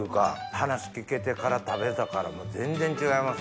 話聞けてから食べたから全然違いますね。